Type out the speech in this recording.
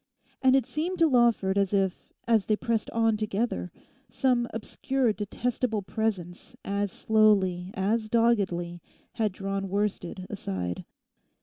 And it seemed to Lawford as if, as they pressed on together, some obscure detestable presence as slowly, as doggedly had drawn worsted aside.